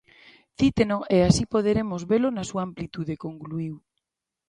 "Cíteno e así poderemos velo na súa amplitude", concluíu.